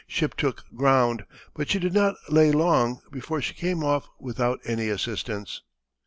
Ship took ground, but she did not lay long before she came off without any assistance.